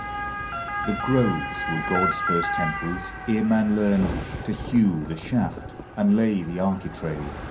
The groves were God's first temples. Ere man learned To hew the shaft, and lay the architrave.